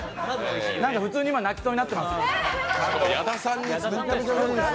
なんで、普通に今、泣きそうになってます。